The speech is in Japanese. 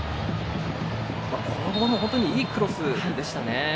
このボールも本当に、いいクロスでしたね。